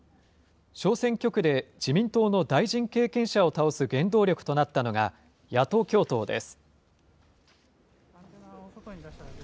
小選挙区で自民党の大臣経験者を倒す原動力となったのが野党共闘です。